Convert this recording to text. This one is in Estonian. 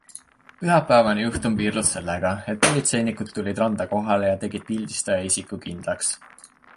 Pühapäevane juhtum piirdus sellega, et politseinikud tulid randa kohale ja tegid pildistaja isiku kindlaks.